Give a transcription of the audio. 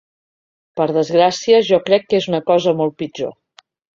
Per desgràcia jo crec que és una cosa molt pitjor.